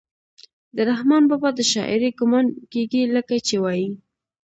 د رحمان بابا د شاعرۍ ګمان کيږي لکه چې وائي: